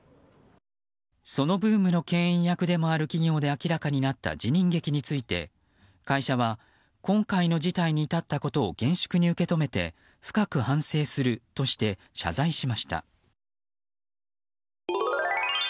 そのブームのけん引役でもある企業で明らかになった辞任劇について会社は今回の事態に至ったことを厳粛に受け止めて深く反省するとして謝罪しました。